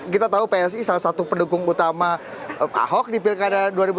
kita tahu psi salah satu pendukung utama ahok di pilkada dua ribu tujuh belas